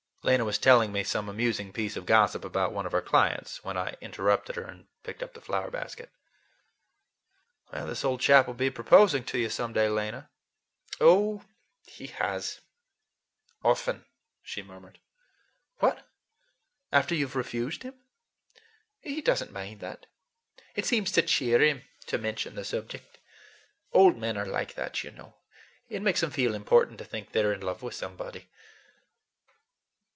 Lena was telling me some amusing piece of gossip about one of her clients, when I interrupted her and picked up the flower basket. "This old chap will be proposing to you some day, Lena." "Oh, he has—often!" she murmured. "What! After you've refused him?" "He does n't mind that. It seems to cheer him to mention the subject. Old men are like that, you know. It makes them feel important to think they're in love with somebody."